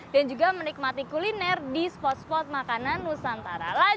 dan juga menikmati kuliner di spot spot makanan nusantara